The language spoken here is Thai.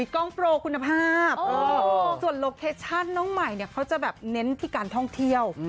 กล้องโปรคุณภาพส่วนโลเคชั่นน้องใหม่เนี่ยเขาจะแบบเน้นที่การท่องเที่ยว